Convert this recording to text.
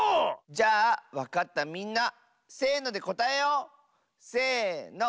じゃあわかったみんなせのでこたえよう！せの。